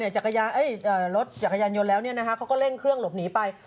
รถจักรยานยนต์ย้อนแล้วเรล่งเครื่องหลบหนีไป